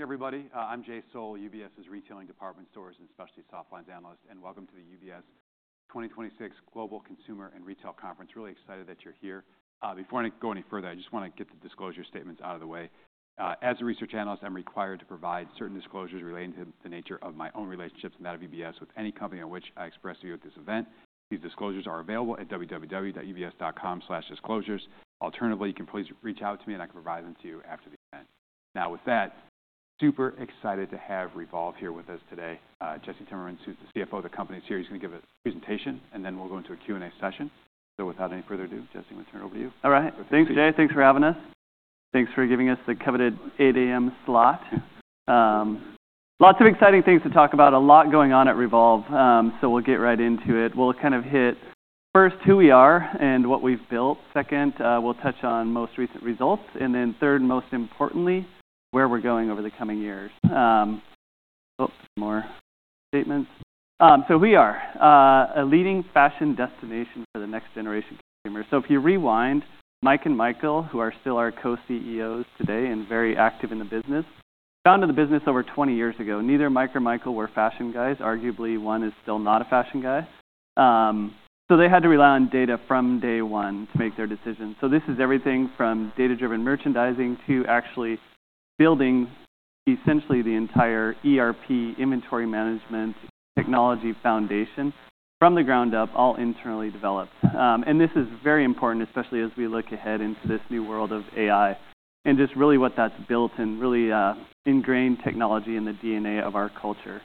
Everybody, I'm Jay Sole, UBS' Retailing Department Stores and Specialty Softlines Analyst, and welcome to the UBS 2026 Global Consumer and Retail Conference. Really excited that you're here. Before I go any further, I just want to get the disclosure statements out of the way. As a research analyst, I'm required to provide certain disclosures relating to the nature of my own relationships and that of UBS with any company on which I express to you at this event. These disclosures are available at www.ubs.com/disclosures. Alternatively, you can please reach out to me, and I can provide them to you after the event. Now, with that, super excited to have Revolve here with us today. Jesse Timmermans, who's the CFO of the company, is here. He's going to give a presentation, and then we'll go into a Q&A session. Without any further ado, Jesse, I'm going to turn it over to you. All right. Thanks, Jay. Thanks for having us. Thanks for giving us the coveted 8 A.M. slot. Lots of exciting things to talk about, a lot going on at Revolve, so we'll get right into it. We'll kind of hit first who we are and what we've built. Second, we'll touch on most recent results. Third, and most importantly, where we're going over the coming years. Forward-looking statements. We are a leading fashion destination for the next generation consumer. If you rewind, Mike and Michael, who are still our co-CEOs today and very active in the business, got into the business over 20 years ago. Neither Mike or Michael were fashion guys. Arguably, one is still not a fashion guy. They had to rely on data from day one to make their decisions. This is everything from data-driven merchandising to actually building essentially the entire ERP inventory management technology foundation from the ground up, all internally developed. This is very important, especially as we look ahead into this new world of AI and just really what that's built and really ingrained technology in the DNA of our culture.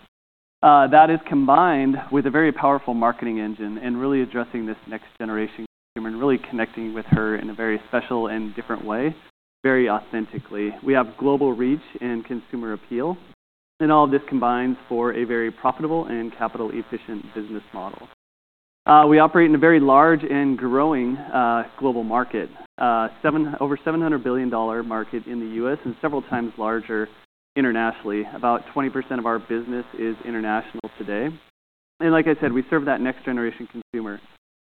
That is combined with a very powerful marketing engine and really addressing this next generation consumer and really connecting with her in a very special and different way, very authentically. We have global reach and consumer appeal, and all of this combines for a very profitable and capital-efficient business model. We operate in a very large and growing global market. Over $700 billion market in the US and several times larger internationally. About 20% of our business is international today. Like I said, we serve that next generation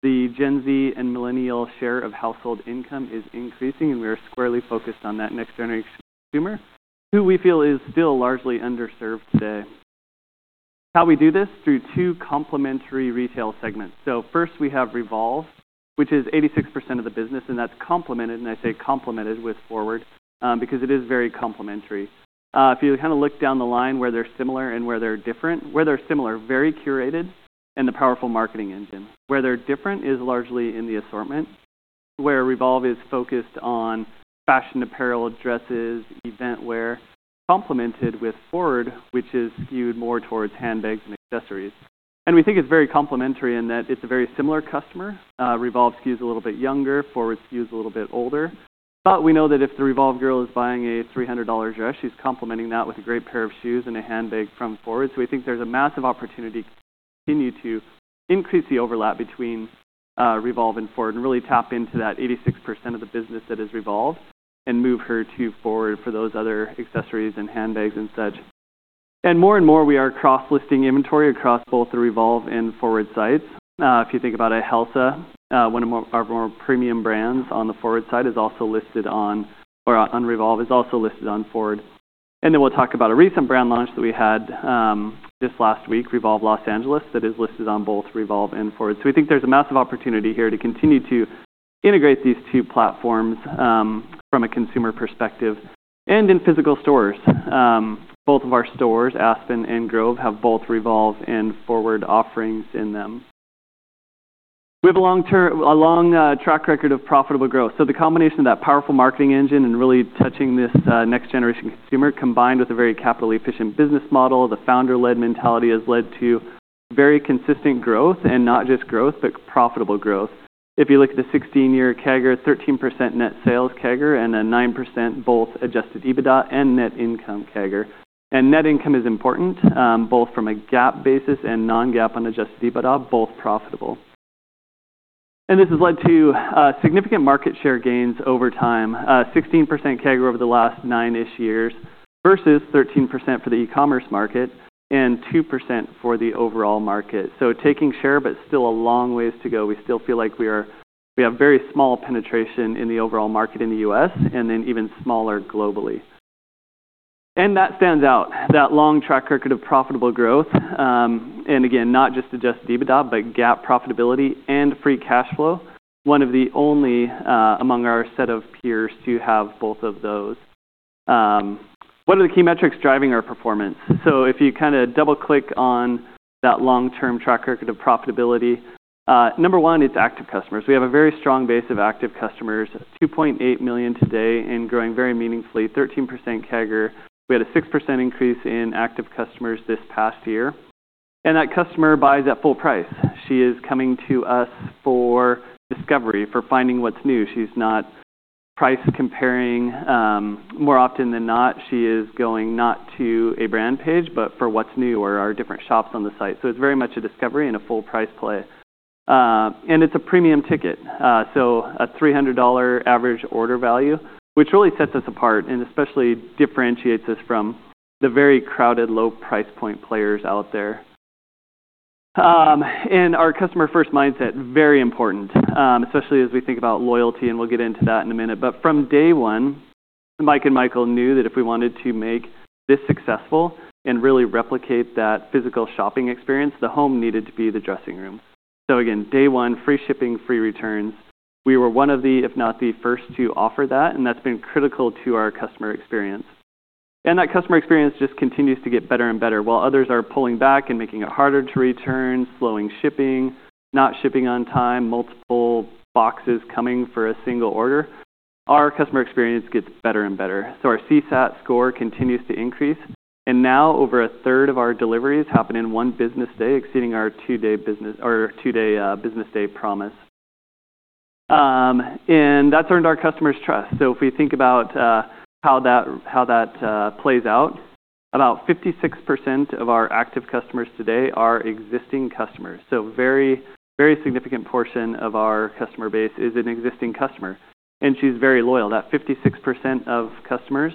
consumer. The Gen Z and millennial share of household income is increasing, and we are squarely focused on that next generation consumer, who we feel is still largely underserved today. How we do this? Through two complementary retail segments. First, we have Revolve, which is 86% of the business, and that's complemented with FWRD, because it is very complementary. If you kind of look down the line where they're similar and where they're different, where they're similar, very curated and the powerful marketing engine. Where they're different is largely in the assortment, where Revolve is focused on fashion apparel, dresses, event wear, complemented with FWRD, which is skewed more towards handbags and accessories. We think it's very complementary in that it's a very similar customer. Revolve skews a little bit younger. Forward skews a little bit older. We know that if the Revolve girl is buying a $300 dress, she's complementing that with a great pair of shoes and a handbag from Forward. We think there's a massive opportunity to continue to increase the overlap between Revolve and Forward and really tap into that 86% of the business that is Revolve and move her to Forward for those other accessories and handbags and such. More and more, we are cross-listing inventory across both the Revolve and Forward sites. If you think about Alaïa, one of our more premium brands on the Forward side is also listed on Revolve or on Forward. We'll talk about a recent brand launch that we had just last week, Revolve Los Angeles, that is listed on both Revolve and Forward. We think there's a massive opportunity here to continue to integrate these two platforms from a consumer perspective and in physical stores. Both of our stores, Aspen and Grove, have both Revolve and Forward offerings in them. We have a long track record of profitable growth. The combination of that powerful marketing engine and really touching this next generation consumer, combined with a very capital-efficient business model, the founder-led mentality has led to very consistent growth, and not just growth, but profitable growth. If you look at the 16-year CAGR, 13% net sales CAGR, and a 9% both adjusted EBITDA and net income CAGR. Net income is important, both from a GAAP basis and non-GAAP adjusted EBITDA, both profitable. This has led to significant market share gains over time. 16% CAGR over the last 9-ish years versus 13% for the ecommerce market and 2% for the overall market. Taking share, but still a long ways to go. We still feel like we have very small penetration in the overall market in the U.S. and then even smaller globally. That stands out, that long track record of profitable growth, and again, not just adjusted EBITDA, but GAAP profitability and free cash flow, one of the only among our set of peers to have both of those. What are the key metrics driving our performance? If you kind of double-click on that long-term track record of profitability, number one, it's active customers. We have a very strong base of active customers, 2.8 million today and growing very meaningfully, 13% CAGR. We had a 6% increase in active customers this past year. That customer buys at full price. She is coming to us for discovery, for finding what's new. She's not price comparing. More often than not, she is going not to a brand page, but for what's new or our different shops on the site. It's very much a discovery and a full price play. It's a premium ticket, so a $300 average order value, which really sets us apart and especially differentiates us from the very crowded low price point players out there. Our customer-first mindset, very important, especially as we think about loyalty, and we'll get into that in a minute. From day one, Mike and Michael knew that if we wanted to make this successful and really replicate that physical shopping experience, the home needed to be the dressing room. Again, day one, free shipping, free returns. We were one of the, if not the first to offer that, and that's been critical to our customer experience. That customer experience just continues to get better and better. While others are pulling back and making it harder to return, slowing shipping, not shipping on time, multiple boxes coming for a single order, our customer experience gets better and better. Our CSAT score continues to increase, and now over a third of our deliveries happen in 1 business day, exceeding our days-day business day promise. That's earned our customers' trust. If we think about how that plays out, about 56% of our active customers today are existing customers. Very, very significant portion of our customer base is an existing customer, and she's very loyal. That 56% of customers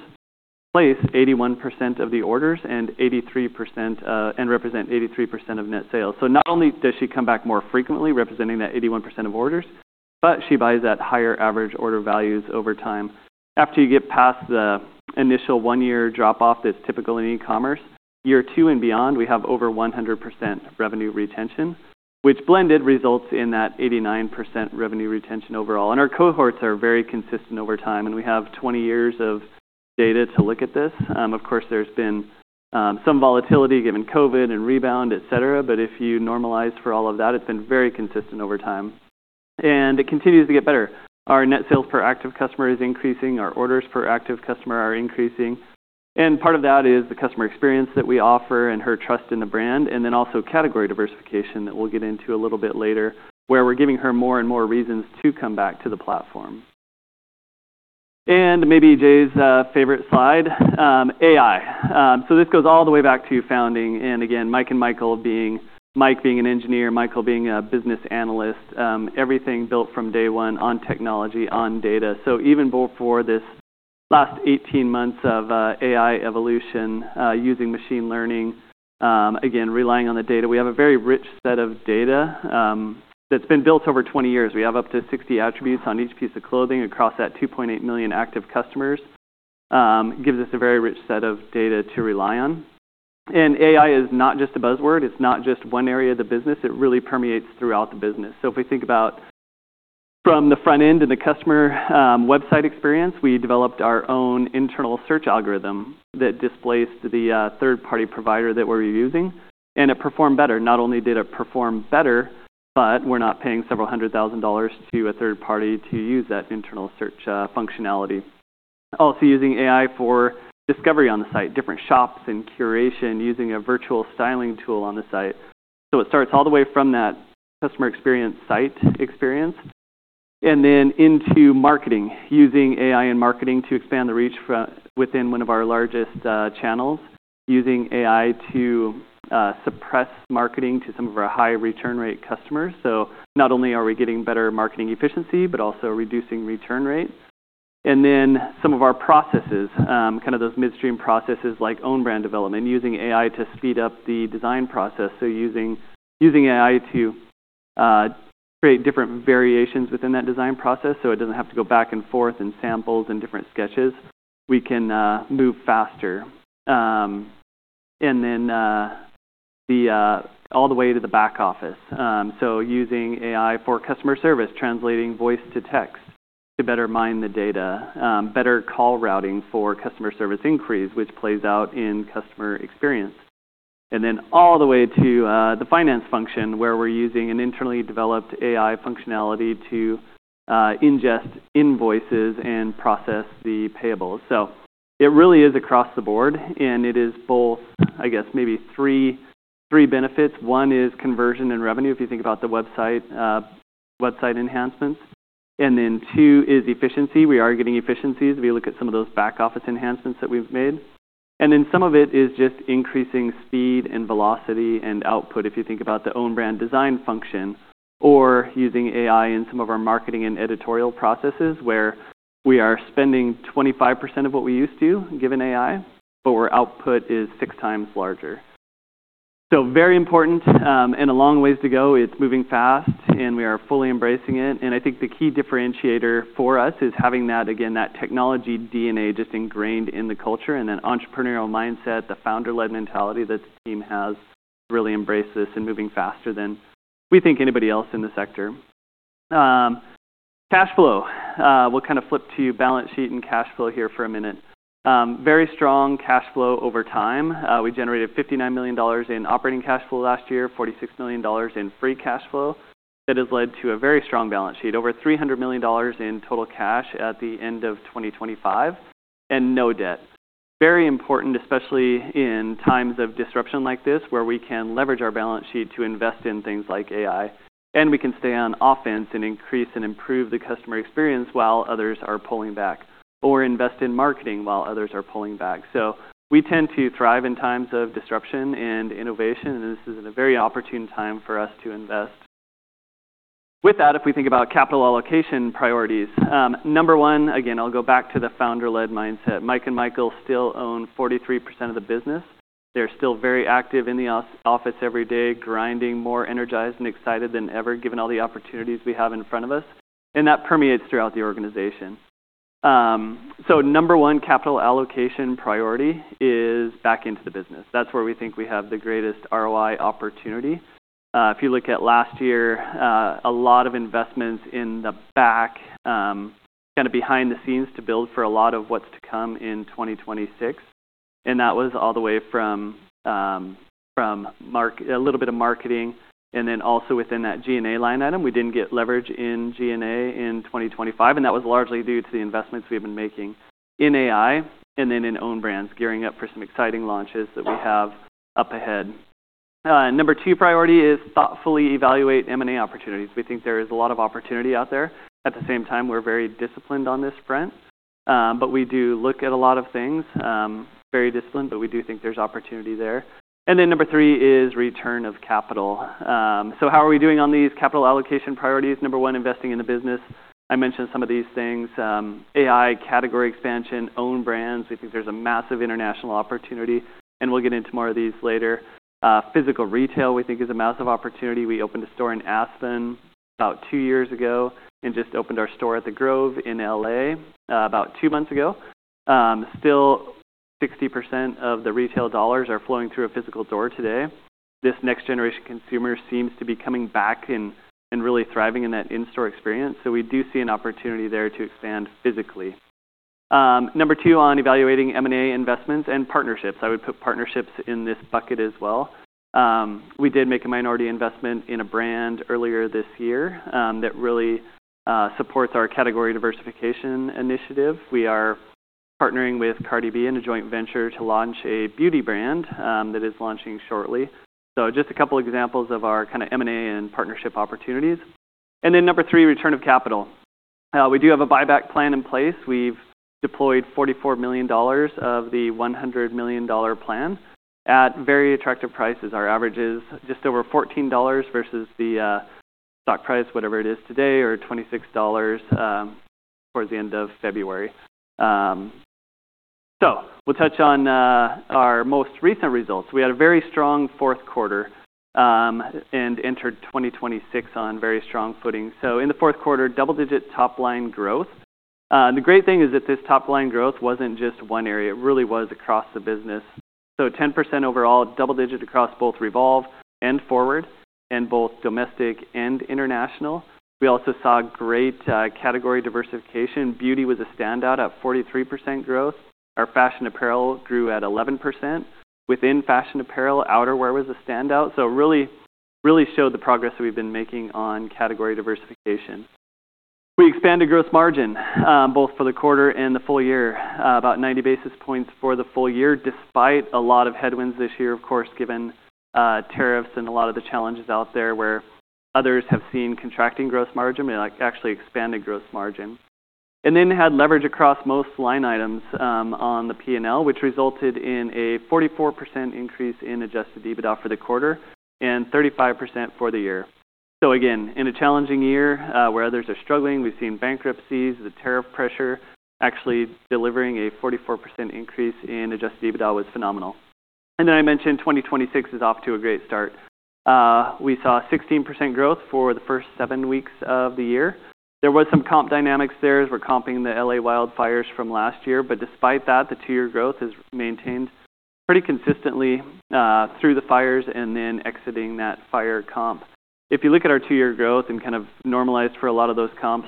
place 81% of the orders and represent 83% of net sales. Not only does she come back more frequently, representing that 81% of orders, but she buys at higher average order values over time. After you get past the initial one-year drop-off that's typical in e-commerce, year two and beyond, we have over 100% revenue retention, which blended results in that 89% revenue retention overall. Our cohorts are very consistent over time, and we have 20 years of data to look at this. Of course, there's been some volatility given COVID and rebound, et cetera, but if you normalize for all of that, it's been very consistent over time, and it continues to get better. Our net sales per active customer is increasing, our orders per active customer are increasing, and part of that is the customer experience that we offer and her trust in the brand, and then also category diversification that we'll get into a little bit later, where we're giving her more and more reasons to come back to the platform. Maybe Jay's favorite slide, AI. This goes all the way back to founding, and again, Mike being an engineer, Michael being a business analyst, everything built from day one on technology, on data. Even before this last 18 months of AI evolution, using machine learning, again, relying on the data. We have a very rich set of data, that's been built over 20 years. We have up to 60 attributes on each piece of clothing across that 2.8 million active customers. Gives us a very rich set of data to rely on. AI is not just a buzzword. It's not just one area of the business. It really permeates throughout the business. If we think about from the front end and the customer, website experience, we developed our own internal search algorithm that displaced the third-party provider that we were using, and it performed better. Not only did it perform better, but we're not paying $ several hundred thousand to a third party to use that internal search functionality. Also using AI for discovery on the site, different shops and curation, using a virtual styling tool on the site. It starts all the way from that customer experience site experience and then into marketing, using AI and marketing to expand the reach within one of our largest channels, using AI to suppress marketing to some of our high return rate customers. Not only are we getting better marketing efficiency, but also reducing return rates. Then some of our processes, kind of those midstream processes like own brand development, using AI to speed up the design process. Using AI to create different variations within that design process, so it doesn't have to go back and forth in samples and different sketches. We can move faster. Then all the way to the back office. Using AI for customer service, translating voice to text to better mine the data, better call routing for customer service inquiries, which plays out in customer experience. All the way to the finance function, where we're using an internally developed AI functionality to ingest invoices and process the payables. It really is across the board, and it is both, I guess, maybe three benefits. One is conversion and revenue, if you think about the website enhancements. Two is efficiency. We are getting efficiencies if you look at some of those back office enhancements that we've made. Some of it is just increasing speed and velocity and output, if you think about the own brand design function or using AI in some of our marketing and editorial processes, where we are spending 25% of what we used to given AI, but our output is 6x larger. Very important, and a long ways to go. It's moving fast, and we are fully embracing it. I think the key differentiator for us is having that, again, that technology DNA just ingrained in the culture and an entrepreneurial mindset, the founder-led mentality that the team has to really embrace this and moving faster than we think anybody else in the sector. Cash flow. We'll kind of flip to balance sheet and cash flow here for a minute. Very strong cash flow over time. We generated $59 million in operating cash flow last year, $46 million in free cash flow. That has led to a very strong balance sheet, over $300 million in total cash at the end of 2025 and no debt. Very important, especially in times of disruption like this, where we can leverage our balance sheet to invest in things like AI, and we can stay on offense and increase and improve the customer experience while others are pulling back or invest in marketing while others are pulling back. We tend to thrive in times of disruption and innovation, and this is a very opportune time for us to invest. With that, if we think about capital allocation priorities, number one, again, I'll go back to the founder-led mindset. Mike and Michael still own 43% of the business. They're still very active in the office every day, grinding, more energized and excited than ever, given all the opportunities we have in front of us, and that permeates throughout the organization. Number one capital allocation priority is back into the business. That's where we think we have the greatest ROI opportunity. If you look at last year, a lot of investments in the back, kind of behind the scenes to build for a lot of what's to come in 2026. That was all the way from a little bit of marketing and then also within that G&A line item. We didn't get leverage in G&A in 2025, and that was largely due to the investments we've been making in AI and then in own brands, gearing up for some exciting launches that we have up ahead. Number two priority is thoughtfully evaluate M&A opportunities. We think there is a lot of opportunity out there. At the same time, we're very disciplined on this front, but we do look at a lot of things. Very disciplined, but we do think there's opportunity there. Number three is return of capital. How are we doing on these capital allocation priorities? Number one, investing in the business. I mentioned some of these things, AI, category expansion, own brands. We think there's a massive international opportunity, and we'll get into more of these later. Physical retail, we think, is a massive opportunity. We opened a store in Aspen about two years ago and just opened our store at The Grove in L.A. about twomonths ago. Still 60% of the retail dollars are flowing through a physical door today. This next generation consumer seems to be coming back and really thriving in that in-store experience. We do see an opportunity there to expand physically. Number two, on evaluating M&A investments and partnerships. I would put partnerships in this bucket as well. We did make a minority investment in a brand earlier this year, that really supports our category diversification initiative. We are partnering with Cardi B in a joint venture to launch a beauty brand, that is launching shortly. Just a couple examples of our kind of M&A and partnership opportunities. Number three, return of capital. We do have a buyback plan in place. We've deployed $44 million of the $100 million plan at very attractive prices. Our average is just over $14 versus the stock price, whatever it is today, or $26 towards the end of February. We'll touch on our most recent results. We had a very strong fourth quarter and entered 2026 on very strong footing. In the fourth quarter, double-digit top-line growth. The great thing is that this top-line growth wasn't just one area, it really was across the business. 10% overall, double-digit across both Revolve and FWRD and both domestic and international. We also saw great category diversification. Beauty was a standout at 43% growth. Our fashion apparel grew at 11%. Within fashion apparel, outerwear was a standout. Really showed the progress we've been making on category diversification. We expanded gross margin both for the quarter and the full year about 90 basis points for the full year, despite a lot of headwinds this year, of course, given tariffs and a lot of the challenges out there where others have seen contracting gross margin, we like actually expanded gross margin. Then had leverage across most line items on the P&L, which resulted in a 44% increase in adjusted EBITDA for the quarter and 35% for the year. Again, in a challenging year where others are struggling, we've seen bankruptcies, the tariff pressure actually delivering a 44% increase in adjusted EBITDA was phenomenal. Then I mentioned 2026 is off to a great start. We saw 16% growth for the first seven weeks of the year. There was some comp dynamics there as we're comping the L.A. wildfires from last year. Despite that, the two-year growth has maintained pretty consistently through the fires and then exiting that fire comp. If you look at our two-year growth and kind of normalized for a lot of those comps,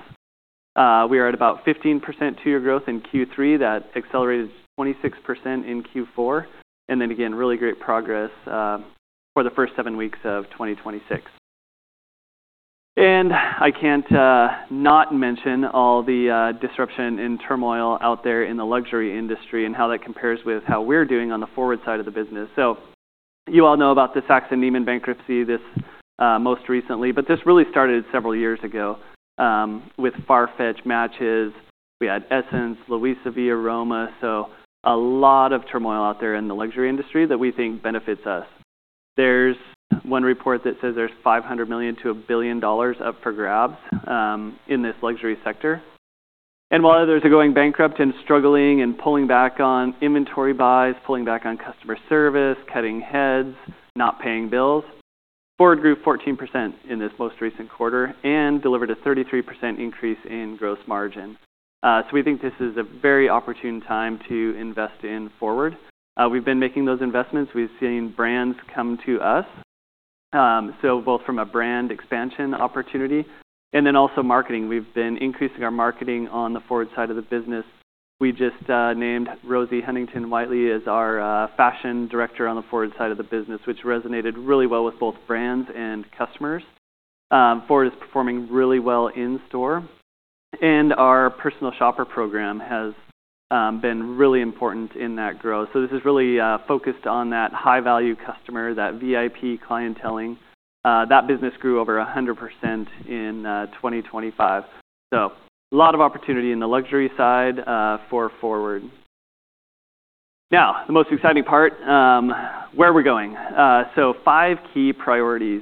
we are at about 15% two-year growth in Q3. That accelerated to 26% in Q4. Again, really great progress for the first seven weeks of 2026. I can't not mention all the disruption and turmoil out there in the luxury industry and how that compares with how we're doing on the FWRD side of the business. You all know about the Saks and Neiman bankruptcy, this most recently. This really started several years ago with Farfetch, Matches, we had Ssense, LuisaViaRoma. A lot of turmoil out there in the luxury industry that we think benefits us. There's one report that says there's $500 million-$1 billion up for grabs in this luxury sector. While others are going bankrupt and struggling and pulling back on inventory buys, pulling back on customer service, cutting heads, not paying bills, FWRD grew 14% in this most recent quarter and delivered a 33% increase in gross margin. We think this is a very opportune time to invest in FWRD. We've been making those investments. We've seen brands come to us. Both from a brand expansion opportunity and then also marketing. We've been increasing our marketing on the FWRD side of the business. We just named Rosie Huntington-Whiteley as our fashion director on the Forward side of the business, which resonated really well with both brands and customers. Forward is performing really well in store, and our personal shopper program has been really important in that growth. This is really focused on that high-value customer, that VIP clienteling. That business grew over 100% in 2025. A lot of opportunity in the luxury side for Forward. Now, the most exciting part where we're going. Five key priorities.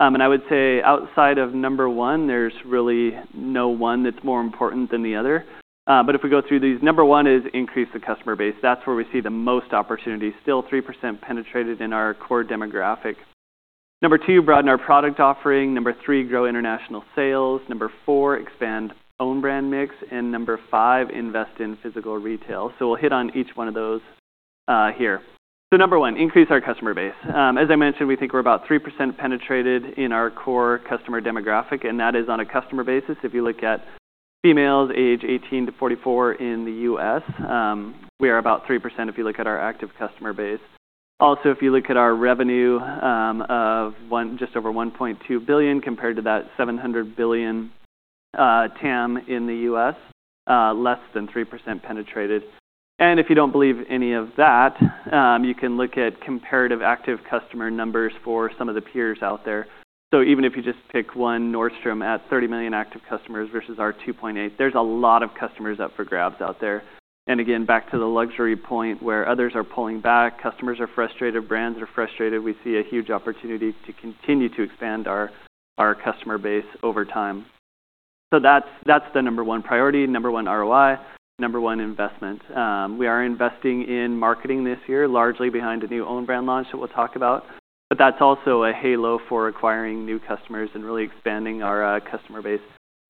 I would say outside of number one, there's really no one that's more important than the other. If we go through these, number one is increase the customer base. That's where we see the most opportunity, still 3% penetrated in our core demographic. Number two, broaden our product offering. Number three, grow international sales. Number four, expand own brand mix. Number five, invest in physical retail. We'll hit on each one of those here. Number one, increase our customer base. As I mentioned, we think we're about 3% penetrated in our core customer demographic, and that is on a customer basis. If you look at females age 18 to 44 in the U.S., we are about 3% if you look at our active customer base. Also, if you look at our revenue of just over $1.2 billion compared to that $700 billion TAM in the U.S., less than 3% penetrated. If you don't believe any of that, you can look at comparative active customer numbers for some of the peers out there. Even if you just pick one, Nordstrom at 30 million active customers versus our 2.8, there's a lot of customers up for grabs out there. Again, back to the luxury point where others are pulling back, customers are frustrated, brands are frustrated. We see a huge opportunity to continue to expand our customer base over time. That's the number one priority, number one ROI, number one investment. We are investing in marketing this year, largely behind a new own brand launch that we'll talk about. That's also a halo for acquiring new customers and really expanding our customer base.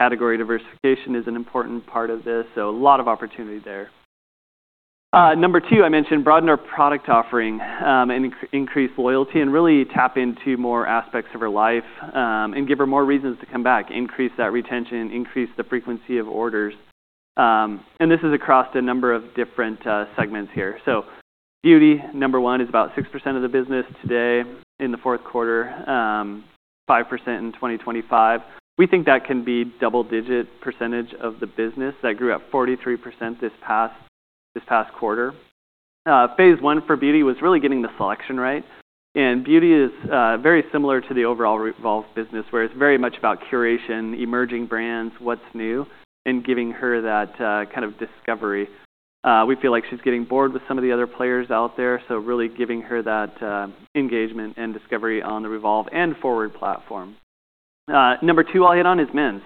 Category diversification is an important part of this, so a lot of opportunity there. Number two, I mentioned broaden our product offering, and increase loyalty and really tap into more aspects of her life, and give her more reasons to come back, increase that retention, increase the frequency of orders. This is across a number of different segments here. Beauty, number one, is about 6% of the business today in the fourth quarter, 5% in 2025. We think that can be double-digit percentage of the business that grew at 43% this past quarter. Phase I for beauty was really getting the selection right. Beauty is very similar to the overall Revolve business, where it's very much about curation, emerging brands, what's new, and giving her that kind of discovery. We feel like she's getting bored with some of the other players out there, so really giving her that engagement and discovery on the Revolve and FWRD platform. Number two I'll hit on is men's.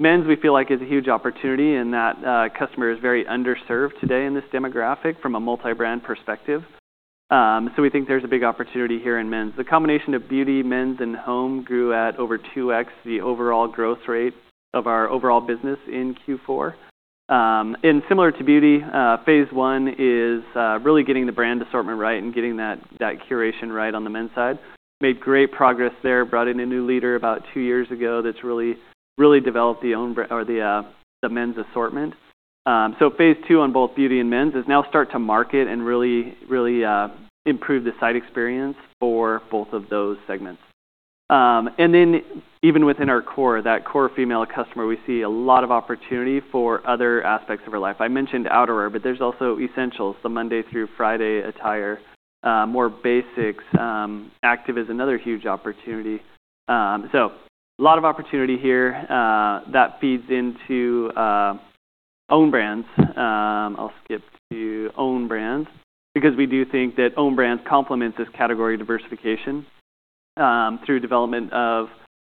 Men's, we feel like, is a huge opportunity in that customer is very underserved today in this demographic from a multi-brand perspective. So we think there's a big opportunity here in men's. The combination of beauty, men's, and home grew at over 2x the overall growth rate of our overall business in Q4. Similar to beauty, phase I is really getting the brand assortment right and getting that curation right on the men's side. Made great progress there, brought in a new leader about two years ago that's really developed the men's assortment. Phase II on both beauty and men's is now start to market and really improve the site experience for both of those segments. Even within our core, that core female customer, we see a lot of opportunity for other aspects of her life. I mentioned outerwear, but there's also essentials, the Monday through Friday attire, more basics. Active is another huge opportunity. A lot of opportunity here that feeds into own brands. I'll skip to own brands because we do think that own brands complement this category diversification through development of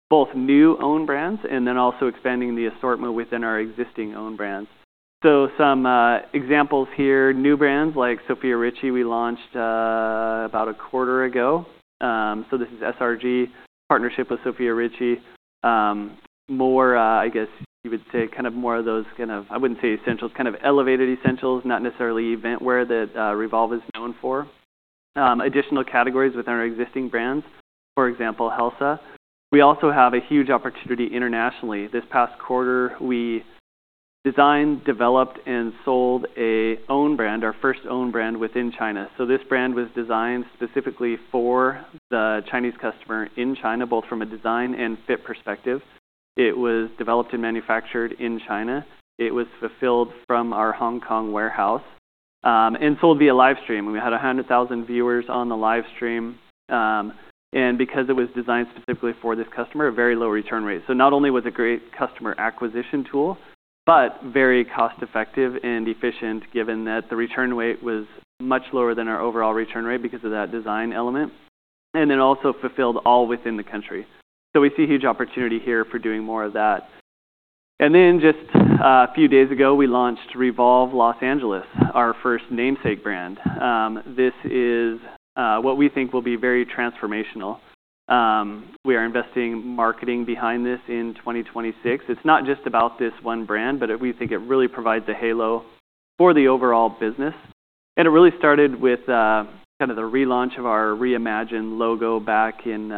both new own brands and then also expanding the assortment within our existing own brands. Some examples here, new brands like Sofia Richie we launched about a quarter ago. This is SRG partnership with Sofia Richie. More, I guess you would say kind of more of those kind of, I wouldn't say essentials, kind of elevated essentials, not necessarily event wear that Revolve is known for. Additional categories within our existing brands, for example, Helsa. We also have a huge opportunity internationally. This past quarter, we designed, developed, and sold a own brand, our first own brand within China. This brand was designed specifically for the Chinese customer in China, both from a design and fit perspective. It was developed and manufactured in China. It was fulfilled from our Hong Kong warehouse, and sold via live stream. We had 100,000 viewers on the live stream. Because it was designed specifically for this customer, a very low return rate. Not only was it great customer acquisition tool, but very cost-effective and efficient given that the return rate was much lower than our overall return rate because of that design element, and then also fulfilled all within the country. We see huge opportunity here for doing more of that. Then just a few days ago, we launched Revolve Los Angeles, our first namesake brand. This is what we think will be very transformational. We are investing marketing behind this in 2026. It's not just about this one brand, but we think it really provides a halo for the overall business. It really started with kind of the relaunch of our reimagined logo back in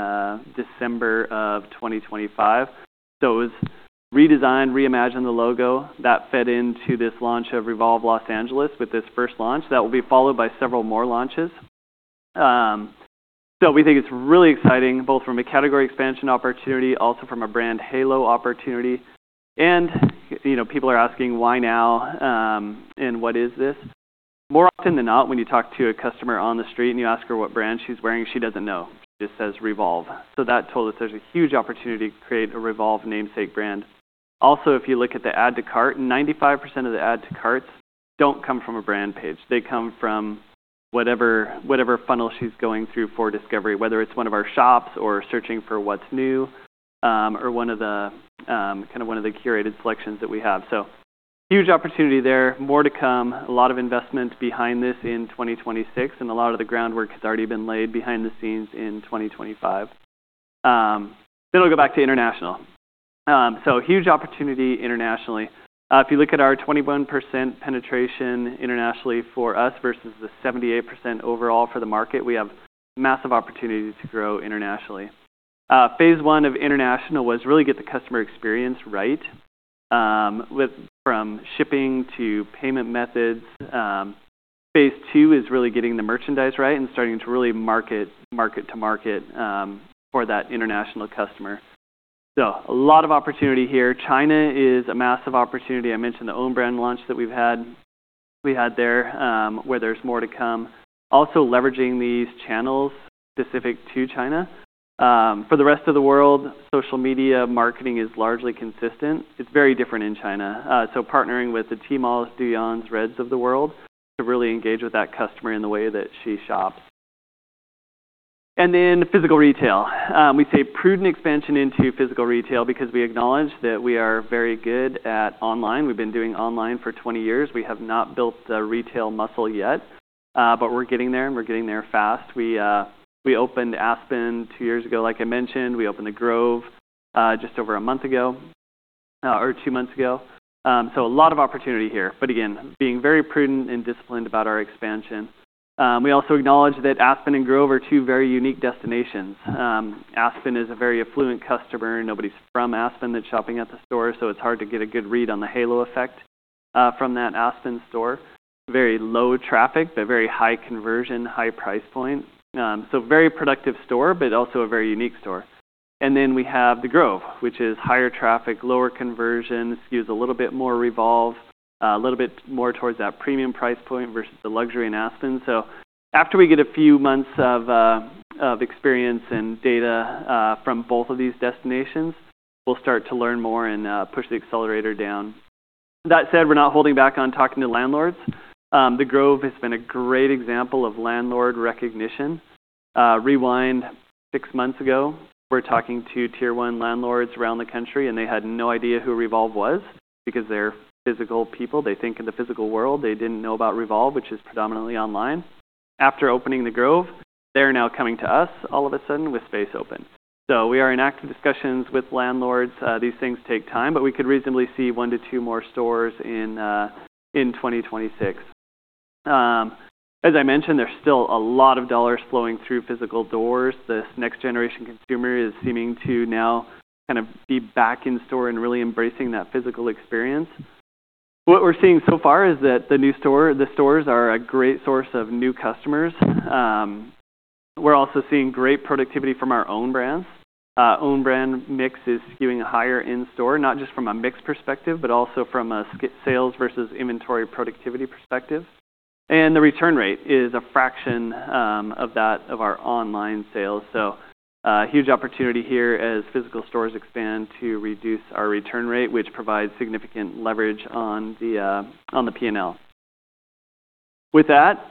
December of 2025. It was redesigned, reimagined the logo that fed into this launch of Revolve Los Angeles with this first launch. That will be followed by several more launches. We think it's really exciting, both from a category expansion opportunity, also from a brand halo opportunity. You know, people are asking why now, and what is this? More often than not, when you talk to a customer on the street and you ask her what brand she's wearing, she doesn't know. She just says Revolve. That told us there's a huge opportunity to create a Revolve namesake brand. Also, if you look at the add to cart, 95% of the add to carts don't come from a brand page. They come from whatever funnel she's going through for discovery, whether it's one of our shops or searching for what's new, or one of the kind of curated selections that we have. Huge opportunity there. More to come. A lot of investment behind this in 2026, and a lot of the groundwork has already been laid behind the scenes in 2025. We'll go back to international. Huge opportunity internationally. If you look at our 21% penetration internationally for us versus the 78% overall for the market, we have massive opportunity to grow internationally. Phase I of international was really get the customer experience right, from shipping to payment methods. Phase II is really getting the merchandise right and starting to really market to market, for that international customer. A lot of opportunity here. China is a massive opportunity. I mentioned the own brand launch that we've had there, where there's more to come. Also leveraging these channels specific to China. For the rest of the world, social media marketing is largely consistent. It's very different in China. Partnering with the Tmall's, Douyin's, Xiaohongshu's of the world to really engage with that customer in the way that she shops. Physical retail. We say prudent expansion into physical retail because we acknowledge that we are very good at online. We've been doing online for 20 years. We have not built the retail muscle yet, but we're getting there, and we're getting there fast. We opened Aspen two years ago, like I mentioned. We opened The Grove just over a month ago or two months ago. A lot of opportunity here, but again, being very prudent and disciplined about our expansion. We also acknowledge that Aspen and Grove are two very unique destinations. Aspen is a very affluent customer. Nobody's from Aspen that's shopping at the store, so it's hard to get a good read on the halo effect from that Aspen store. Very low traffic, but very high conversion, high price point. So very productive store, but also a very unique store. We have The Grove, which is higher traffic, lower conversion. Skews a little bit more Revolve, a little bit more towards that premium price point versus the luxury in Aspen. So after we get a few months of experience and data from both of these destinations, we'll start to learn more and push the accelerator down. That said, we're not holding back on talking to landlords. The Grove has been a great example of landlord recognition. Rewind six months ago, we're talking to tier one landlords around the country, and they had no idea who Revolve was because they're physical people. They think in the physical world. They didn't know about Revolve, which is predominantly online. After opening The Grove, they're now coming to us all of a sudden with space open. We are in active discussions with landlords. These things take time, but we could reasonably see one, two more stores in 2026. As I mentioned, there's still a lot of dollars flowing through physical doors. This next generation consumer is seeming to now kind of be back in store and really embracing that physical experience. What we're seeing so far is that the stores are a great source of new customers. We're also seeing great productivity from our own brands. Own brand mix is skewing higher in store, not just from a mix perspective, but also from a sales versus inventory productivity perspective. The return rate is a fraction of that of our online sales. A huge opportunity here as physical stores expand to reduce our return rate, which provides significant leverage on the P&L. With that,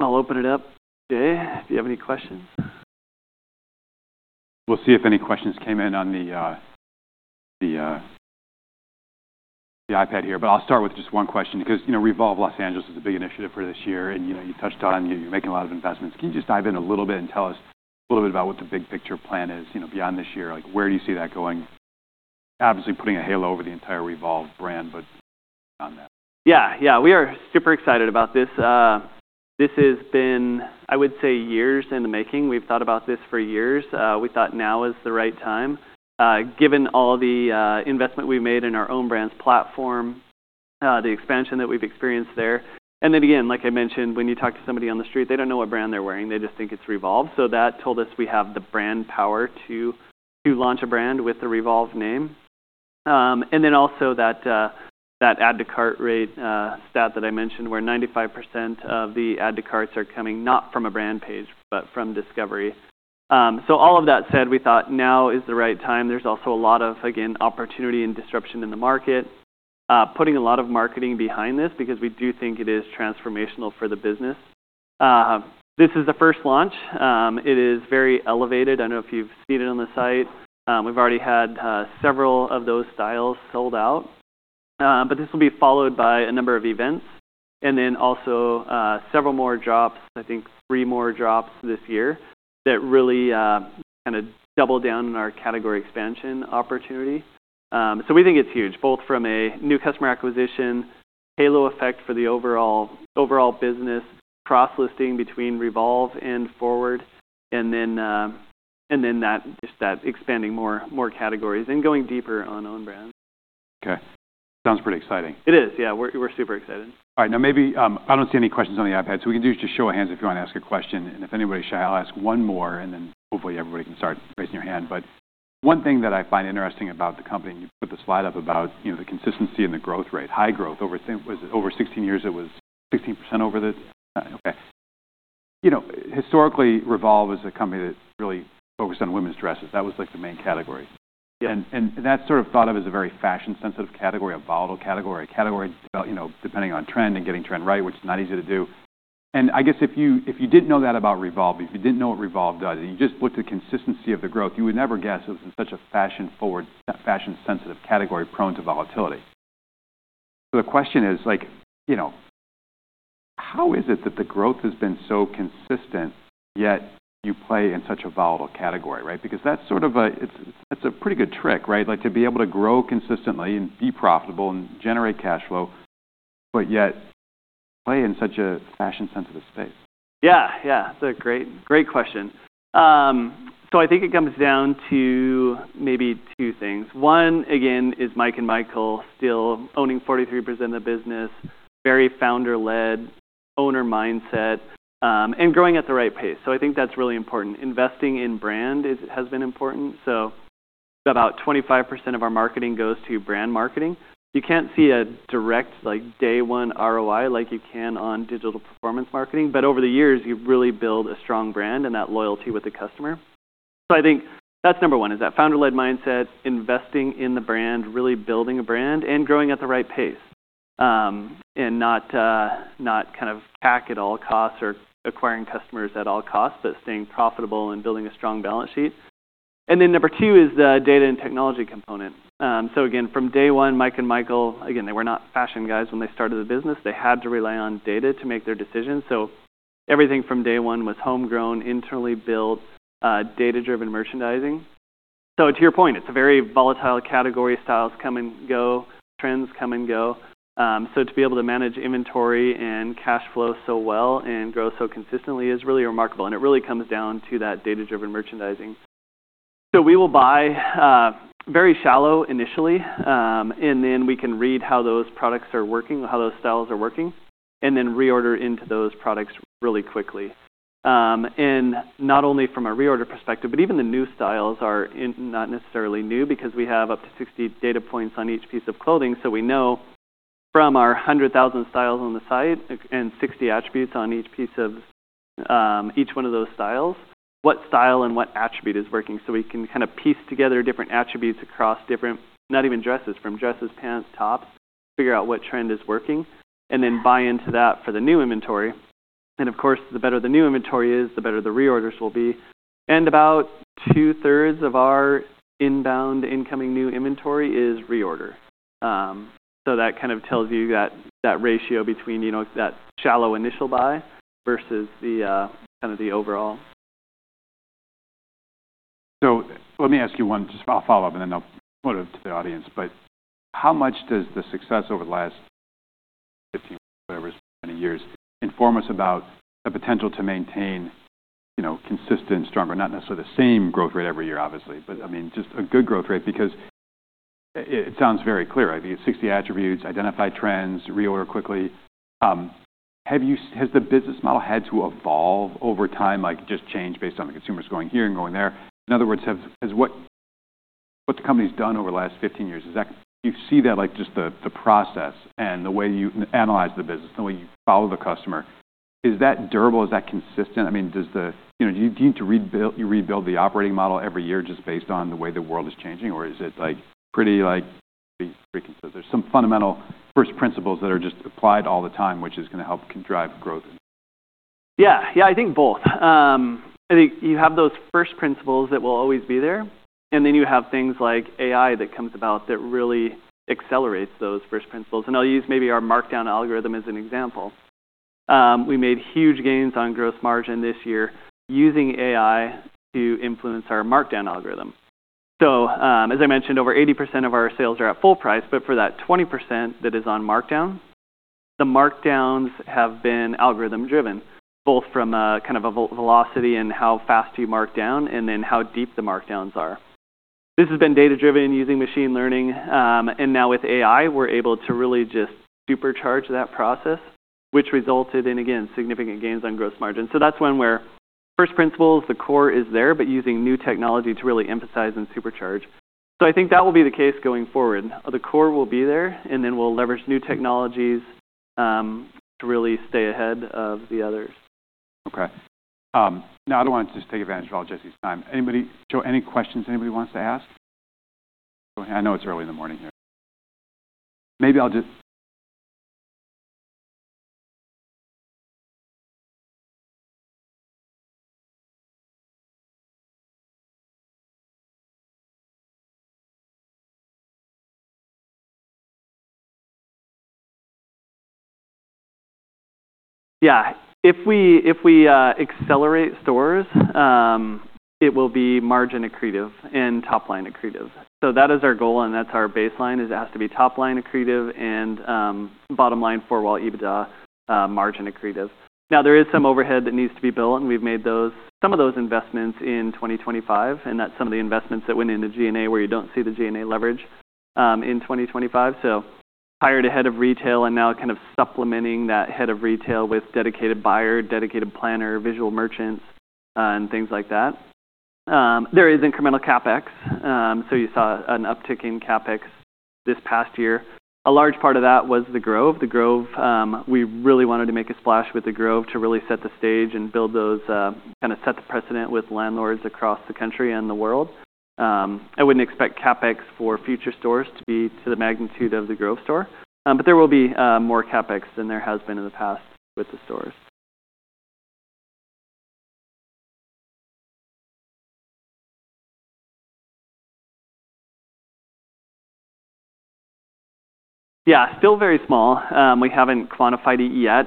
I'll open it up today if you have any questions. We'll see if any questions came in on the iPad here, but I'll start with just one question because, you know, Revolve Los Angeles is a big initiative for this year, and, you know, you touched on you're making a lot of investments. Can you just dive in a little bit and tell us a little bit about what the big picture plan is, you know, beyond this year? Like, where do you see that going? Obviously, putting a halo over the entire Revolve brand, but on that. Yeah. Yeah. We are super excited about this. This has been, I would say, years in the making. We've thought about this for years. We thought now is the right time, given all the investment we made in our own brands platform, the expansion that we've experienced there. Like I mentioned, when you talk to somebody on the street, they don't know what brand they're wearing. They just think it's Revolve. That told us we have the brand power to launch a brand with the Revolve name. Then also that add to cart rate stat that I mentioned, where 95% of the add to carts are coming not from a brand page, but from discovery. All of that said, we thought now is the right time. There's also a lot of, again, opportunity and disruption in the market. Putting a lot of marketing behind this because we do think it is transformational for the business. This is the first launch. It is very elevated. I don't know if you've seen it on the site. We've already had several of those styles sold out. This will be followed by a number of events and then also several more drops, I think three more drops this year, that really kind of double down on our category expansion opportunity. We think it's huge, both from a new customer acquisition, halo effect for the overall business, cross-listing between Revolve and FWRD, and then that just that expanding more categories and going deeper on own brands. Okay. Sounds pretty exciting. It is. Yeah. We're super excited. All right. Now maybe, I don't see any questions on the iPad, so we can do just show of hands if you want to ask a question. If anybody's shy, I'll ask one more, and then hopefully everybody can start raising your hand. One thing that I find interesting about the company, and you put the slide up about, you know, the consistency and the growth rate, high growth. Was it over 16 years? It was 16% over the. You know, historically, Revolve is a company that really focused on women's dresses. That was like the main category. That's sort of thought of as a very fashion-sensitive category, a volatile category, a category, you know, depending on trend and getting trend right, which is not easy to do. I guess if you didn't know that about Revolve, if you didn't know what Revolve does, and you just looked at consistency of the growth, you would never guess it was in such a fashion-forward, fashion-sensitive category prone to volatility. The question is, like, you know, how is it that the growth has been so consistent, yet you play in such a volatile category, right? Because that's sort of a, it's a pretty good trick, right? Like to be able to grow consistently and be profitable and generate cash flow, but yet play in such a fashion-sensitive space. Yeah. Yeah. It's a great question. I think it comes down to maybe two things. One, again, is Mike and Michael still owning 43% of the business, very founder-led, owner mindset, and growing at the right pace. I think that's really important. Investing in brand is, has been important. About 25% of our marketing goes to brand marketing. You can't see a direct like day one ROI like you can on digital performance marketing, but over the years, you really build a strong brand and that loyalty with the customer. I think that's number one is that founder-led mindset, investing in the brand, really building a brand, and growing at the right pace, and not kind of hack at all costs or acquiring customers at all costs, but staying profitable and building a strong balance sheet. Number two is the data and technology component. Again, from day one, Mike and Michael, again, they were not fashion guys when they started the business. They had to rely on data to make their decisions. Everything from day one was homegrown, internally built, data-driven merchandising. To your point, it's a very volatile category. Styles come and go, trends come and go. To be able to manage inventory and cash flow so well and grow so consistently is really remarkable, and it really comes down to that data-driven merchandising. We will buy very shallow initially, and then we can read how those products are working, how those styles are working, and then reorder into those products really quickly. Not only from a reorder perspective, but even the new styles are not necessarily new because we have up to 60 data points on each piece of clothing. So we know from our 100,000 styles on the site and 60 attributes on each piece of each one of those styles, what style and what attribute is working. So we can kind of piece together different attributes across different, not even dresses, from dresses, pants, tops, figure out what trend is working, and then buy into that for the new inventory. Of course, the better the new inventory is, the better the reorders will be. About two-thirds of our inbound incoming new inventory is reorder. So that kind of tells you that ratio between, you know, that shallow initial buy versus the kind of the overall. Let me ask you, I'll follow up, and then I'll put it to the audience. How much does the success over the last 15, whatever, 20 years inform us about the potential to maintain, you know, consistent, stronger, not necessarily the same growth rate every year, obviously, but I mean, just a good growth rate? Because it sounds very clear. I mean, 60 attributes, identify trends, reorder quickly. Has the business model had to evolve over time, like just change based on the consumers going here and going there? In other words, has what the company's done over the last 15 years, is that... Do you see that, like just the process and the way you analyze the business, the way you follow the customer, is that durable? Is that consistent? I mean, does the You know, do you need to rebuild, you rebuild the operating model every year just based on the way the world is changing, or is it like pretty consistent? There's some fundamental first principles that are just applied all the time, which is going to help drive growth. Yeah. Yeah, I think both. I think you have those first principles that will always be there, and then you have things like AI that comes about that really accelerates those first principles. I'll use maybe our markdown algorithm as an example. We made huge gains on gross margin this year using AI to influence our markdown algorithm. As I mentioned, over 80% of our sales are at full price, but for that 20% that is on markdown, the markdowns have been algorithm-driven, both from a kind of a velocity and how fast you mark down and then how deep the markdowns are. This has been data-driven using machine learning, and now with AI, we're able to really just supercharge that process, which resulted in, again, significant gains on gross margin. That's when we're first principles, the core is there, but using new technology to really emphasize and supercharge. I think that will be the case going forward. The core will be there, and then we'll leverage new technologies to really stay ahead of the others. Okay. Now I want to just take advantage of all Jesse's time. Anybody. Joe, any questions anybody wants to ask? Go ahead. I know it's early in the morning here. If we accelerate stores, it will be margin accretive and top-line accretive. That is our goal, and that's our baseline is it has to be top-line accretive and bottom-line EBITDA margin accretive. Now, there is some overhead that needs to be built, and we've made some of those investments in 2025, and that's some of the investments that went into G&A, where you don't see the G&A leverage in 2025. Hired a head of retail and now kind of supplementing that head of retail with dedicated buyer, dedicated planner, visual merchant, and things like that. There is incremental CapEx. You saw an uptick in CapEx this past year. A large part of that was The Grove. The Grove, we really wanted to make a splash with The Grove to really set the stage and build those, kind of set the precedent with landlords across the country and the world. I wouldn't expect CapEx for future stores to be to the magnitude of The Grove store, but there will be, more CapEx than there has been in the past with the stores. Yeah, still very small. We haven't quantified it yet.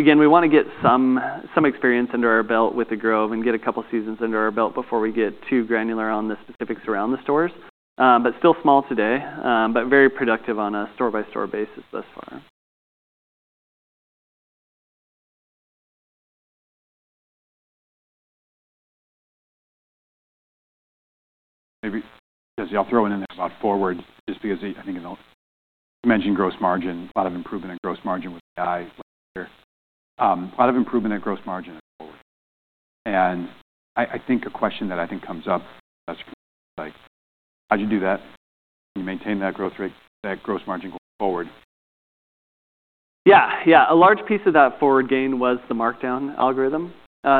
Again, we want to get some experience under our belt with The Grove and get a couple seasons under our belt before we get too granular on the specifics around the stores. But still small today, but very productive on a store-by-store basis thus far. Maybe, Jesse, I'll throw it in there about FWRD, just because I think, you know, you mentioned gross margin, a lot of improvement in gross margin with AI last year. A lot of improvement in gross margin going forward. I think a question that I think comes up for investors is like, how'd you do that? Can you maintain that growth rate, that gross margin going forward? A large piece of that FWRD gain was the markdown algorithm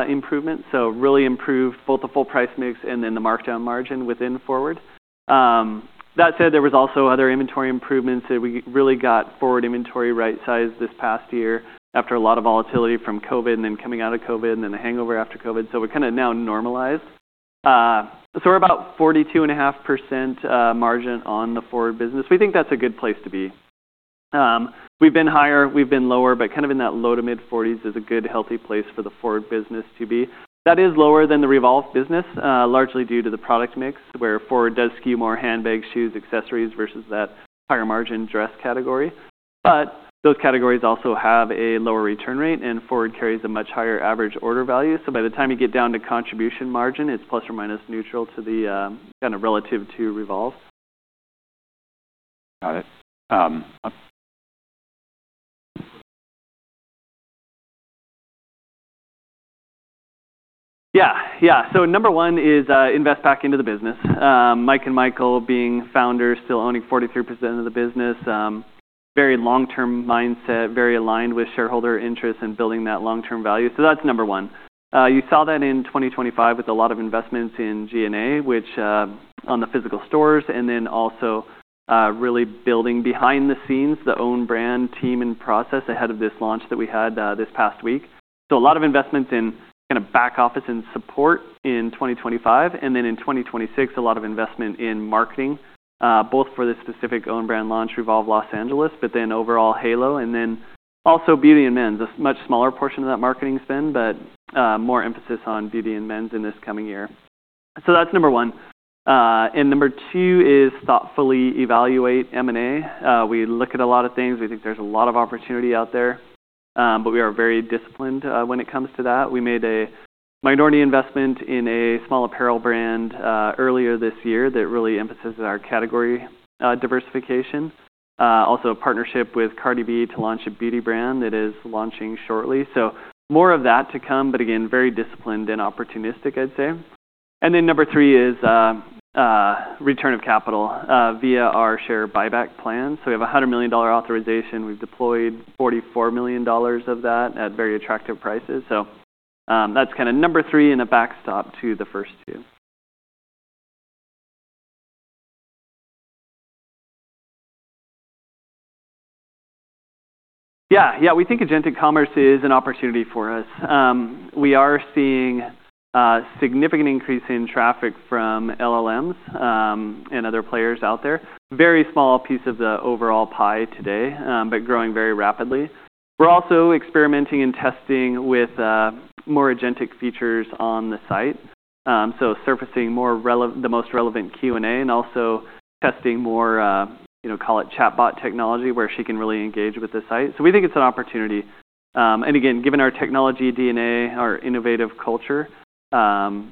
improvement. Really improved both the full price mix and then the markdown margin within FWRD. That said, there was also other inventory improvements that we really got FWRD inventory right size this past year after a lot of volatility from COVID, and then coming out of COVID, and then the hangover after COVID. We're kind of now normalized. We're about 42.5% margin on the FWRD business. We think that's a good place to be. We've been higher, we've been lower, but kind of in that low- to mid-40s% is a good healthy place for the FWRD business to be. That is lower than the Revolve business, largely due to the product mix, where FWRD does skew more handbags, shoes, accessories versus that higher margin dress category. Those categories also have a lower return rate, and FWRD carries a much higher average order value. By the time you get down to contribution margin, it's plus or minus neutral to the, kind of relative to Revolve. Got it. Yeah. Number one is invest back into the business. Mike and Michael being founders, still owning 43% of the business, very long-term mindset, very aligned with shareholder interest in building that long-term value. That's number one. You saw that in 2025 with a lot of investments in G&A, which on the physical stores, and then also really building behind the scenes, the own brand team and process ahead of this launch that we had this past week. A lot of investments in kind of back office and support in 2025. Then in 2026, a lot of investment in marketing both for the specific own brand launch, Revolve Los Angeles, but then overall halo, and then also beauty and men's. A much smaller portion of that marketing spend, but more emphasis on beauty and men's in this coming year. That's number one. Number two is thoughtfully evaluate M&A. We look at a lot of things. We think there's a lot of opportunity out there, but we are very disciplined when it comes to that. We made a minority investment in a small apparel brand earlier this year that really emphasizes our category diversification. Also a partnership with Cardi B to launch a beauty brand that is launching shortly. More of that to come, but again, very disciplined and opportunistic, I'd say. Number three is return of capital via our share buyback plan. We have a $100 million authorization. We've deployed $44 million of that at very attractive prices. That's kind of number three and a backstop to the first two. Yeah. Yeah. We think agentic commerce is an opportunity for us. We are seeing a significant increase in traffic from LLMs, and other players out there. Very small piece of the overall pie today, but growing very rapidly. We're also experimenting and testing with more agentic features on the site, surfacing the most relevant Q&A, and also testing more, you know, call it chatbot technology, where she can really engage with the site. We think it's an opportunity. Again, given our technology DNA, our innovative culture,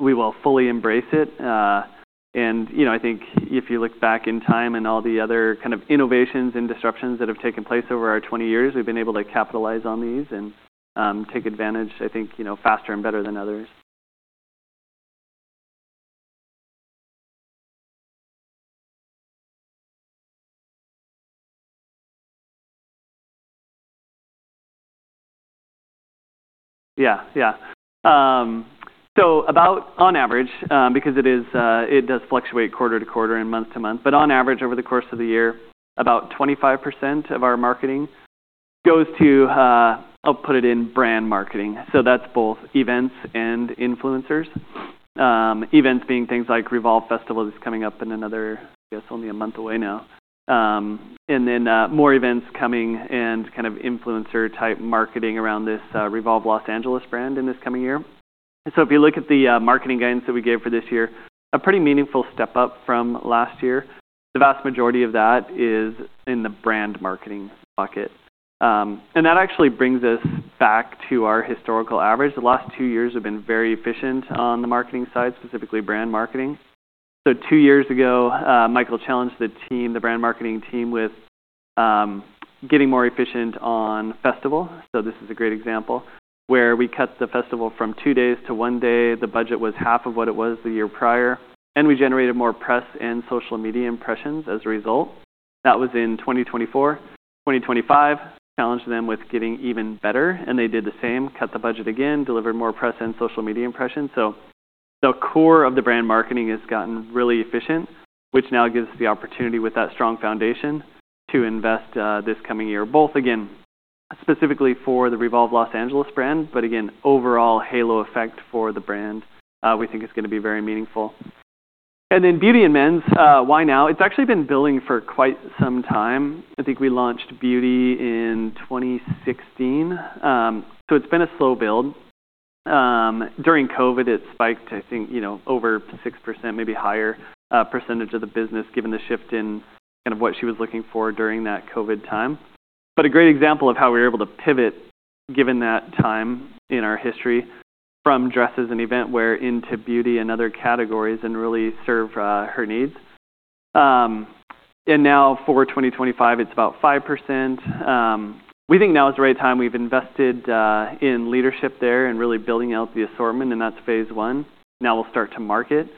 we will fully embrace it. you know, I think if you look back in time and all the other kind of innovations and disruptions that have taken place over our 20 years, we've been able to capitalize on these and take advantage, I think, you know, faster and better than others. Yeah. Yeah. On average, because it is, it does fluctuate quarter to quarter and month to month, but on average, over the course of the year, about 25% of our marketing goes to, I'll put it in brand marketing. that's both events and influencers. events being things like Revolve Festival that's coming up in another, I guess, only a month away now. then more events coming and kind of influencer type marketing around this Revolve Los Angeles brand in this coming year. If you look at the marketing guidance that we gave for this year, a pretty meaningful step up from last year. The vast majority of that is in the brand marketing bucket. And that actually brings us back to our historical average. The last two years have been very efficient on the marketing side, specifically brand marketing. Two years ago, Michael challenged the team, the brand marketing team, with getting more efficient on festival. This is a great example where we cut the festival from two days to one day. The budget was half of what it was the year prior, and we generated more press and social media impressions as a result. That was in 2024. 2025 challenged them with getting even better, and they did the same. Cut the budget again, delivered more press and social media impressions. The core of the brand marketing has gotten really efficient, which now gives the opportunity with that strong foundation to invest this coming year, both again specifically for the Revolve Los Angeles brand, but again, overall halo effect for the brand. We think it's going to be very meaningful. Then beauty and men's, why now? It's actually been building for quite some time. I think we launched beauty in 2016. It's been a slow build. During COVID, it spiked to, I think, you know, over 6%, maybe higher percentage of the business, given the shift in kind of what she was looking for during that COVID time. But a great example of how we were able to pivot given that time in our history from dresses and event wear into beauty and other categories and really serve her needs. Now for 2025, it's about 5%. We think now is the right time. We've invested in leadership there and really building out the assortment, and that's phase I. Now we'll start to market.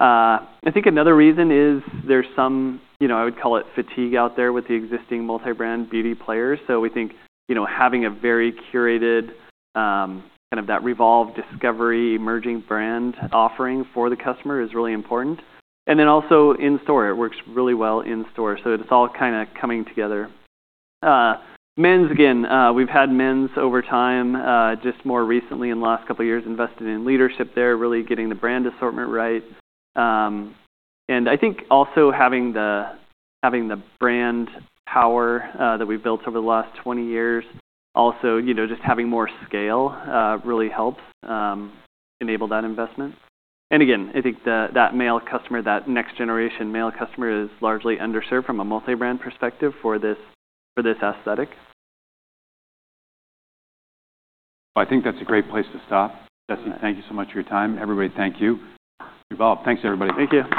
I think another reason is there's some, you know, I would call it fatigue out there with the existing multi-brand beauty players. We think, you know, having a very curated kind of that Revolve discovery emerging brand offering for the customer is really important. Also in-store. It works really well in-store, so it's all kind of coming together. Men's, again, we've had men's over time, just more recently in the last couple of years, invested in leadership there, really getting the brand assortment right. I think also having the brand power that we've built over the last 20 years also, you know, just having more scale really helps enable that investment. I think that male customer, that next generation male customer is largely underserved from a multi-brand perspective for this, for this aesthetic. I think that's a great place to stop. Jesse, thank you so much for your time. Everybody, thank you. Revolve. Thanks, everybody. Thank you.